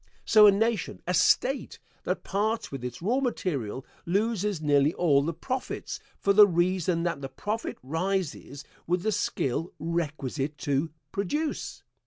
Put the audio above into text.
So a nation, a State, that parts with its raw material, loses nearly all the profits, for the reason that the profit rises with the skill requisite to produce.